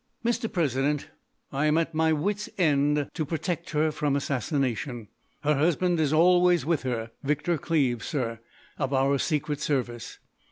"Mr. President, I am at my wits' end to protect her from assassination! Her husband is always with her—Victor Cleves, sir, of our Secret Service.